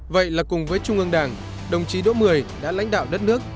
vậy là cùng với trung ương đảng đồng chí đỗ mười đã lãnh đạo đất nước